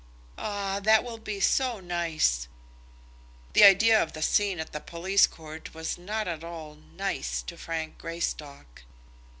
"Ah; that will be so nice." The idea of the scene at the police court was not at all "nice" to Frank Greystock.